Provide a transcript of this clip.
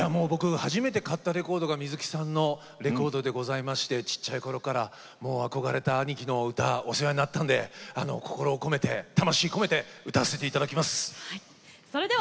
初めて買ったレコードが水木さんのでございまして憧れた兄貴の歌お世話になったんで心を込めて、魂込めて歌わせていただきます。